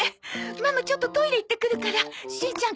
ママちょっとトイレ行ってくるからしんちゃん